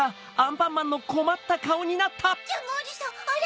ジャムおじさんあれ！